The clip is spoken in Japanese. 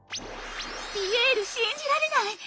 ピエール信じられない！